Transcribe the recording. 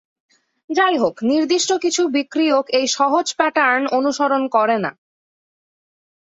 যাইহোক, নির্দিষ্ট কিছু বিক্রিয়ক এই সহজ প্যাটার্ন অনুসরণ করে না।